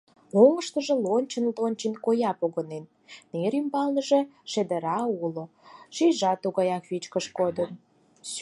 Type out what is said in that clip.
Оҥышкыжо лончын-лончын коя погынен; нер ӱмбалныже шедыра уло; шӱйжат тугаяк вичкыж кодын.